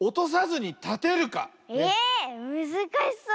えっむずかしそう。